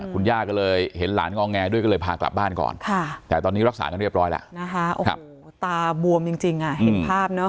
คุณย่าก็เลยเห็นหลานงอแงด้วยก็เลยพากลับบ้านก่อนแต่ตอนนี้รักษากันเรียบร้อยแล้วนะคะโอ้โหตาบวมจริงอ่ะเห็นภาพเนาะ